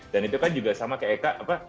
dan itu kan juga sama kayak eka